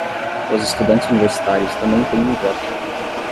Os estudantes universitários também têm um voto